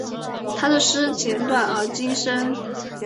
他的诗简短而精深。